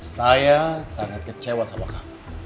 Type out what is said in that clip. saya sangat kecewa sama kamu